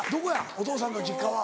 お父さんの実家は。